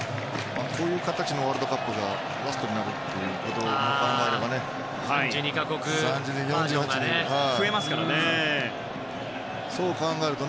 こういう形のワールドカップがラストになるということを考えれば。